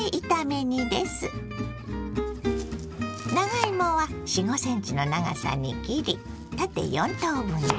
長芋は４５ｃｍの長さに切り縦４等分に。